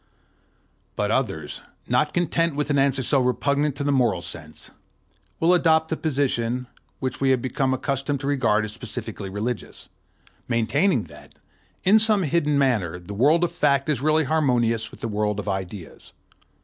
But others, not content with an answer so repugnant to the moral sense, will adopt the position which we have become accustomed to regard as specially religious, maintaining that, in some hidden manner, the world of fact is really harmonious with the world of ideals.